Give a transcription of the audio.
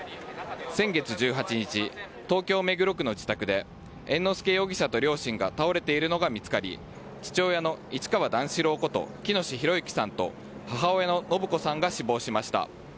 先月１８日、東京・目黒区の自宅で猿之助容疑者と両親が倒れているのが見つかり、父親の市川段四郎こと喜熨斗弘之さんと母親の延子さんが死亡しました。